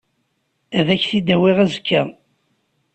Ad k-t-id-awiɣ azekka.